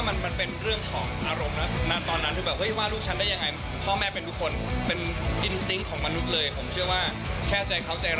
ไม่ได้ซื้อแค่กระเป๋านะอันนี้คือซื้อความสุขให้เมีย